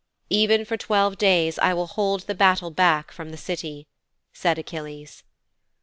"Even for twelve days I will hold the battle back from the City," said Achilles.'